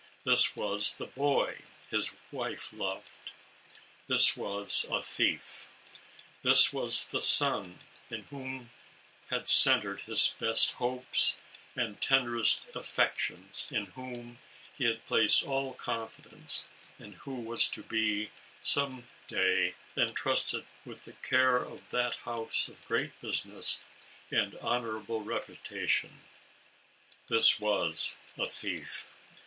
This was the boy whom his wife loved; this was a thief. This was the son, in whom had centered his best hopes and tenderest affections, in whom he had placed all confidence, and who was to be, some ALICE ; OR, THE WAGES OF SIN. 65 day, entrusted with the care of that house of great business and honorable reputation; this was a thief.